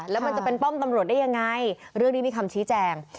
แล้วมันจะเป็นป้อมตำรวจได้ยังไงเรื่องนี้มีคำชี้แจง